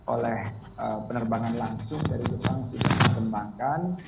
oleh penerbangan langsung dari jepang sudah dikembangkan